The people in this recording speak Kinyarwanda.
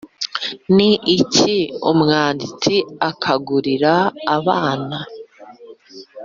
ni iki umwanditsi akangurira abana?